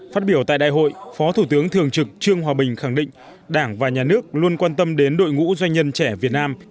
phát biểu tại đại hội phó thủ tướng thường trực trương hòa bình khẳng định đảng và nhà nước luôn quan tâm đến đội ngũ doanh nhân trẻ việt nam